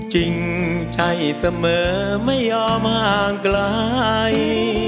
จริงใช่เสมอไม่ยอมห่างไกล